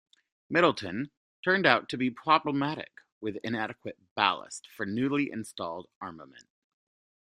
"Middleton" turned out to be problematic with inadequate ballast for newly installed armament.